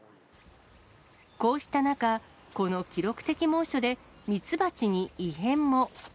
こうした中、この記録的猛暑で蜜蜂に異変も。